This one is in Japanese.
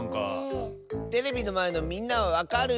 テレビのまえのみんなはわかる？